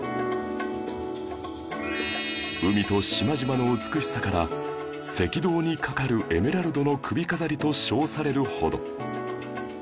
海と島々の美しさから赤道にかかるエメラルドの首飾りと称されるほど